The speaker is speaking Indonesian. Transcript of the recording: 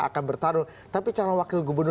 akan bertarung tapi calon wakil gubernur